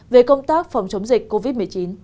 về công tác phòng chống dịch covid một mươi chín